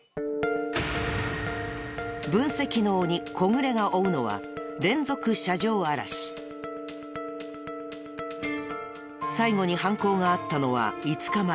分析の鬼小暮が追うのは最後に犯行があったのは５日前。